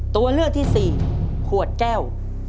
ตัวเลือกที่สี่ขวดแก้ว